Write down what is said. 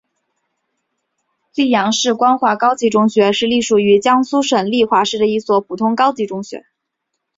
溧阳市光华高级中学是隶属于江苏省溧阳市的一所普通高级中学。